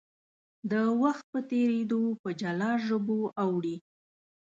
د وخت په تېرېدو په جلا ژبو اوړي.